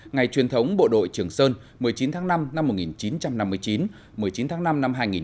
ngày truyền thống bộ đội trường sơn một mươi chín tháng năm năm một nghìn chín trăm năm mươi chín một mươi chín tháng năm năm hai nghìn một mươi chín